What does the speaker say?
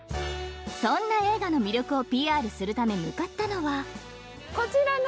［そんな映画の魅力をＰＲするため向かったのは］